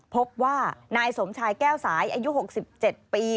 พบว่านายสมชายแก้วสายอายุ๖๗ปี